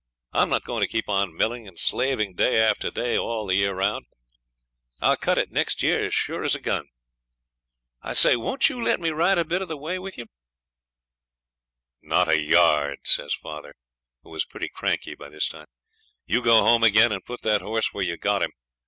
I'm not going to keep on milling and slaving day after day all the year round. I'll cut it next year as sure as a gun. I say, won't you let me ride a bit of the way with ye?' 'Not a yard,' says father, who was pretty cranky by this time; 'you go home again and put that horse where you got him.